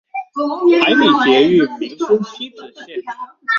台北捷運民生汐止線